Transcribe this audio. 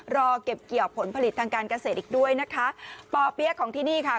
รอเก็บเกี่ยวผลผลิตทางการเกษตรอีกด้วยนะคะป่อเปี๊ยะของที่นี่ค่ะ